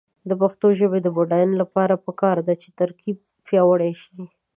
د پښتو ژبې د بډاینې لپاره پکار ده چې ترکیب پیاوړی شي.